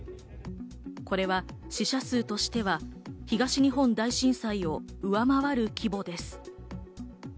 これは死者数としては東日本大震災を上回る規模です。